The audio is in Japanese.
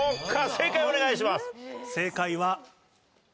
正解をお願いします。